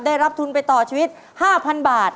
ได้รับทุนไปต่อชีวิต๕๐๐๐บาท